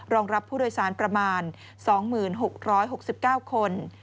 รองรับผู้โดยสารประมาณ๒๖๖๙คน